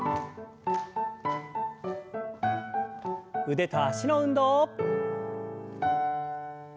腕と脚の運動。